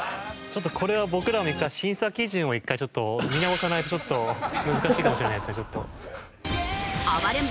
これは僕らも一回審査基準を見直さないとちょっと難しいかもしれないですね。